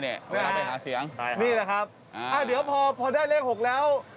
เวลาไปหาเสียงนี่แหละครับเดี๋ยวพอได้เลข๖แล้ว